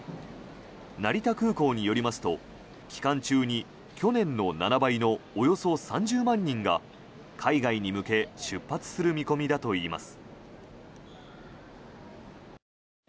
成田空港によりますと、期間中に去年の７倍のおよそ３０万人が海外に向け出発する見込みだといいます。